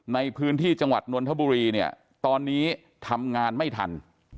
ในพื้นที่จังหวัดนนทบุรีเนี่ยตอนนี้ทำงานไม่ทัน